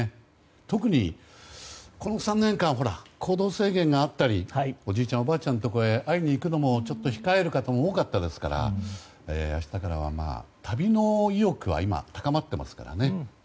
特に、この３年間行動制限があったりおじいちゃん、おばあちゃんのところへ会いに行くのもちょっと控える方も多かったですから明日からは、旅の意欲は今、高まっていますからね。